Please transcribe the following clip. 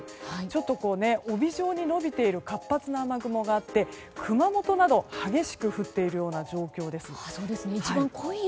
ちょっと帯状に延びている活発な雨雲がって熊本など激しく降っている状況です。